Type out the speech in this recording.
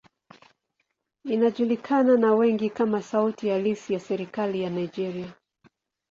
Inajulikana na wengi kama sauti halisi ya serikali ya Nigeria.